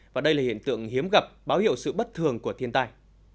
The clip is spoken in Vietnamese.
và đây là hiện tượng hiếm gặp báo hiệu sự bất thường của thiên tai